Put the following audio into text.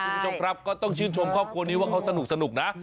คุณผู้ชมครับก็ต้องชื่นชมครอบครัวนี้ว่าเขาสนุกนะ